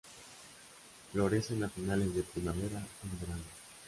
Florecen a finales de Primavera ó en Verano.